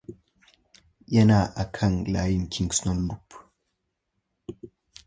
It is on the Kingston Loop Line.